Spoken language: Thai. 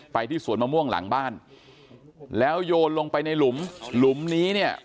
ที่สวนมะม่วงหลังบ้านแล้วโยนลงไปในหลุมหลุมนี้เนี่ย